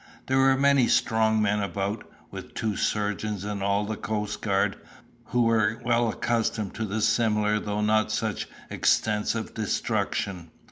There were many strong men about, with two surgeons and all the coastguard, who were well accustomed to similar though not such extensive destruction.